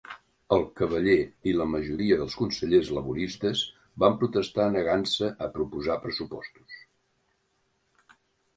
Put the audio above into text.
El cavaller i la majoria dels consellers laboristes van protestar negant-se a proposar pressupostos.